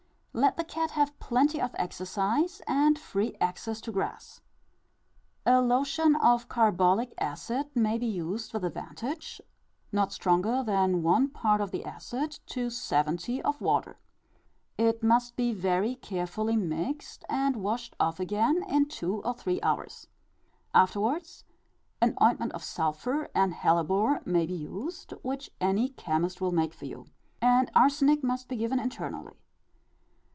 Let the cat have plenty of exercise and free access to grass. A lotion of carbolic acid may be used with advantage, not stronger than one part of the acid to seventy of water. It must be very carefully mixed, and washed off again in two or three hours. Afterwards, an ointment of sulphur and hellebore may be used, which any chemist will make for you, and arsenic must be given internally.